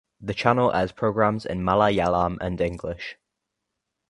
The channel airs programs in Malayalam and English.